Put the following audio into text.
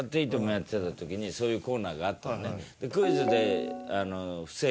やってた時にそういうコーナーがあったのね。